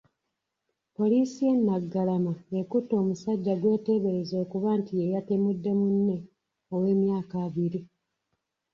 Poliisi y'e Naggalama ekutte omusajja gw'eteebereza okuba nti ye yatemudde munne ow'emyaka abiri.